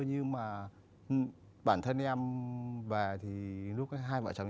nhưng mà bản thân em về thì lúc ấy hai vợ cháu chưa bị